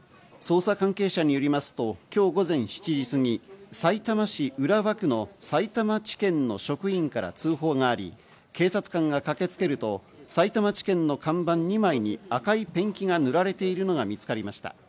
捜査関係者によりますと、きょう午前７時すぎ、さいたま市浦和区のさいたま地検の職員から通報があり、警察官が駆けつけると、さいたま地検の看板２枚に赤いペンキが塗られているのが見つかりました。